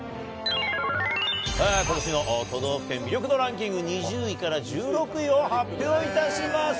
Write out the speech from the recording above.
ことしの都道府県魅力度ランキング、２０位から１６位を発表いたします。